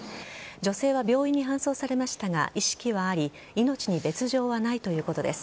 女性は病院に搬送されましたが意識はあり命に別条はないということです。